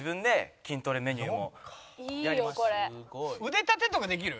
腕立てとかできる？